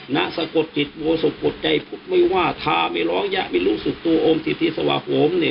น่ะสะกดจิตโบสุบทใจพุทธไม่ว่าทาไม่ร้องยะไม่รู้สึกตัวอมทิศธิสวโฮมเน